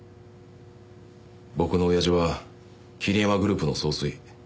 僕の親父は桐山グループの総帥。